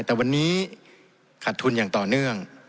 แต่วันนี้ขาดทุนอย่างต่อเนื่อง